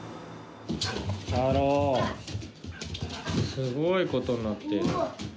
すごいことになってる。